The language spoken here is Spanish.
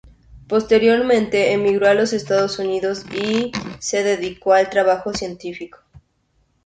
Posteriormente emigró a los Estados Unidos y se dedicó al trabajo científico.